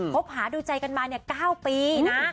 พบหาดูใจกันมาเนี่ย๙ปีนะ